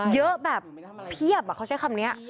เยอะแบบเพียบเขาใช้คำนี้